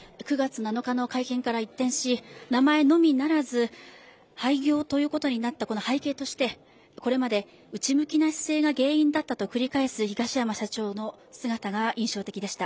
９月７日の会見から一転し名前のみならず廃業となったのですがこれまで内向きな姿勢が原因だったと繰り返す東山社長の姿が印象的でした。